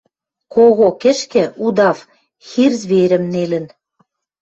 кого кӹшкӹ — удав — хир зверьӹм нелӹн.